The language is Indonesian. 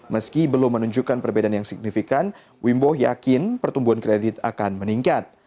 meski belum menunjukkan perbedaan yang signifikan wimbo yakin pertumbuhan kredit akan meningkat